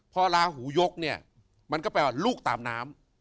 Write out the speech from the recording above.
พอลาหูยกเนี่ยมันก็แปลว่าลูกตามน้ำ